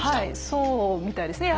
そうみたいですね。